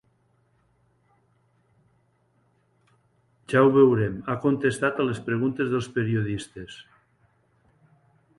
Ja ho veurem, ha contestat a les preguntes dels periodistes.